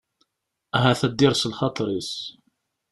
Ahat ad d-ires lxaṭer-is.